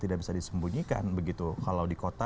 tidak bisa disembunyikan begitu kalau di kota